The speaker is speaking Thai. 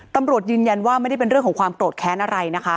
ตำรวจยืนยันว่าไม่ได้เป็นเรื่องของความโกรธแค้นอะไรนะคะ